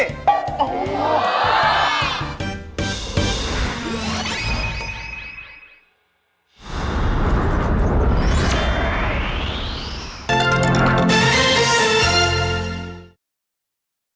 อ้าวชักก็ไม่ตื่นกันกันนะครับ